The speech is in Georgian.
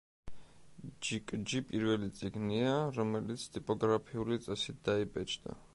ჯიკჯი პირველი წიგნია, რომელიც ტიპოგრაფიული წესით დაიბეჭდა.